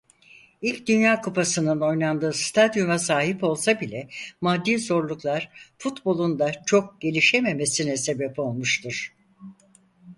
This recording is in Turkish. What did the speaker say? İlk Dünya Kupası'nın oynandığı stadyuma sahip olsa bile maddi zorluklar futbolun da çok gelişememesine sebep olmuştur.